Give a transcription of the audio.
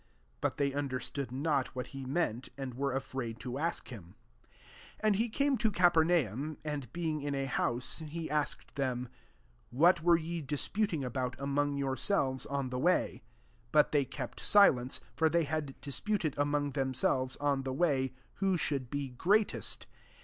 32 But they understood not what he meant; and were afraid to ask him. 33 Ano he came to Caper^ naum, and, being in a house, he asked them, " What were ye disputing about \Qmong your •elves] on the way ?" 34 But they kept silence : for they had disputed among themselves, on the way, who should be great est.